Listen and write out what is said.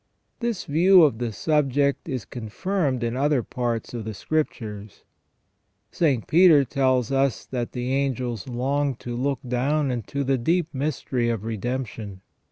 This view of the subject is confirmed in other parts of the Scriptures. St. Peter tells us that the angels longed to look down into the deep mystery of Redemption.